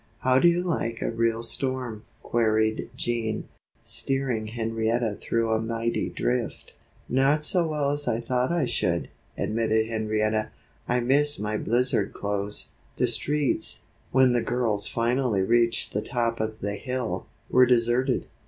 "How do you like a real storm?" queried Jean, steering Henrietta through a mighty drift. "Not so well as I thought I should," admitted Henrietta. "I miss my blizzard clothes." The streets, when the girls finally reached the top of the hill, were deserted.